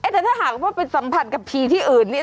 แต่ถ้าหากว่าไปสัมผัสกับผีที่อื่นเนี่ย